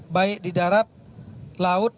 baik di darat laut